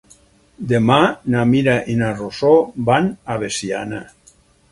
Demà na Mira i na Rosó van a Veciana.